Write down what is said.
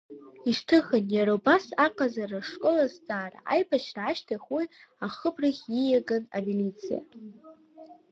Ишьҭыхын, иара убас аҟазара ашкол азҵаара, аибашьра ашьҭахь уи ахыбрахь ииаган амилициа.